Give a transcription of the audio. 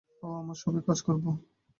ওহ, আমরা সবাই কাজ করবো।